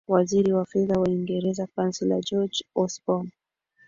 waziri wa fedha wa uingereza councellor george osborn